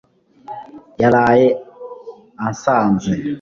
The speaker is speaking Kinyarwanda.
Yaraye ansanze